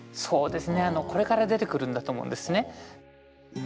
そうですねこれから出てくるんだと思うんですね。